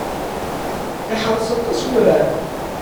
Iḥreṣ aṭas wurar.